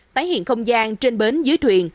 tái hiện không gian trên bến dưới thuyền